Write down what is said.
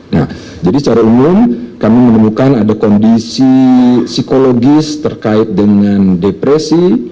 nah jadi secara umum kami menemukan ada kondisi psikologis terkait dengan depresi